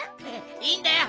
いいんだよ